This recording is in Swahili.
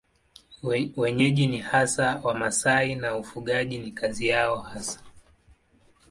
Wenyeji ni hasa Wamasai na ufugaji ni kazi yao hasa.